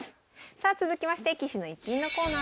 さあ続きまして「棋士の逸品」のコーナーです。